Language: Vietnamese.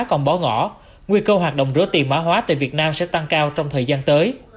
còn bỏ ngỏ nguy cơ hoạt động rửa tiền mã hóa tại việt nam sẽ tăng cao trong thời gian tới